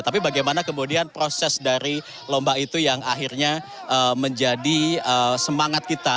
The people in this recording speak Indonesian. tapi bagaimana kemudian proses dari lomba itu yang akhirnya menjadi semangat kita